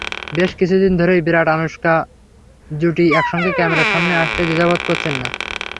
বেশ কিছুদিন ধরেই বিরাট-আনুশকা জুটি একসঙ্গে ক্যামেরার সামনে আসতে দ্বিধাবোধ করছেন না।